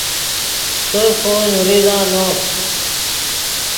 تیف خو نریزہ نو